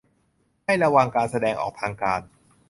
ให้ระวังการแสดงออกทางการ